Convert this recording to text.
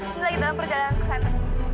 ini lagi dalam perjalanan ke sana